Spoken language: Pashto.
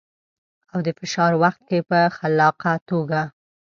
او د فشار وخت کې په خلاقه توګه.